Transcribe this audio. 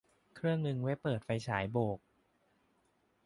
เครื่องนึงไว้เปิดไฟฉายโบก